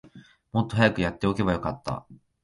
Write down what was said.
もっと早くやっておけばよかった